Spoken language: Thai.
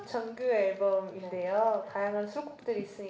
ชอบมั้ยคะทุกคน